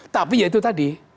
tapi ya itu tadi